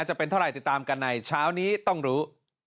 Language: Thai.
จะเป็นเท่าไหร่ติดตามกันในเช้านี้ต้องรู้